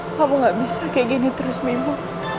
kau gak bisa kayak gini terus minggu